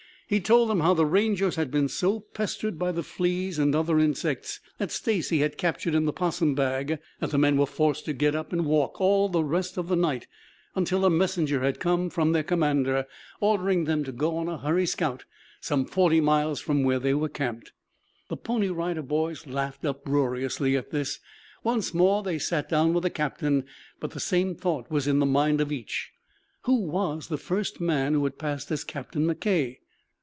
He told them how the Rangers had been so pestered by the fleas and other insects that Stacy had captured in the 'possum bag that the men were forced to get up and walk all the rest of the night, until a messenger had come from their commander, ordering them to go on a hurry scout some forty miles from where they were camped. The Pony Rider Boys laughed uproariously at this. Once more they sat down with a captain, but the same thought was in the mind of each who was the first man who had passed as Captain McKay?